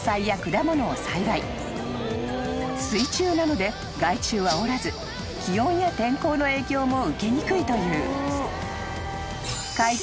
［水中なので害虫はおらず気温や天候の影響も受けにくいという］